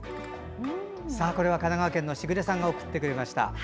これは神奈川県の時雨さんが送ってくださいました。